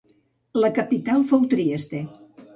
La capital fou Trieste.